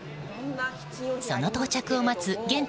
その到着を待つ現地